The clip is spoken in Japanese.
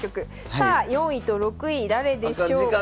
さあ４位と６位誰でしょうか？